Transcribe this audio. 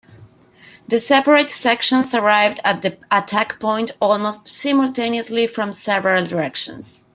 The separate sections arrived at the attack point almost simultaneously from several directions.